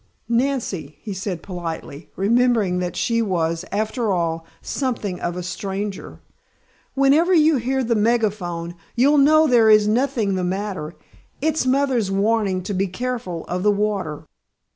Nancy," he said politely, remembering that she was, after all, something of a stranger, "whenever you hear the megaphone you'll know there is nothing the matter. It's mother's warning to be careful of the water."